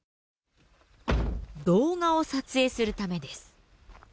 動画を撮影するためです。